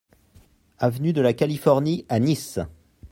Avenue de la Californie à Nice